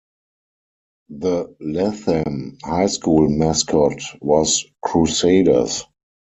The Latham High School mascot was Crusaders.